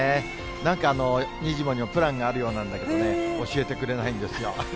なんか、にじモにもプランがあるようなんだけどね、教えてくれないんですよ。